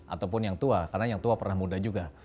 ataupun yang tua karena yang tua pernah muda juga